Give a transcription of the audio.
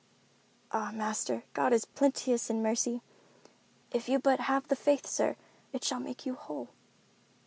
"Ah, master, God is plenteous in mercy. If you but have the faith, sir, it shall make you whole."